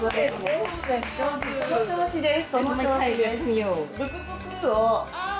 その調子です。